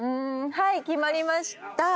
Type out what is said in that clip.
はい決まりました。